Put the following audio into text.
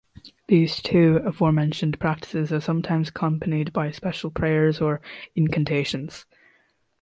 These two aforementioned practices are sometimes accompanied by special prayers or incantations.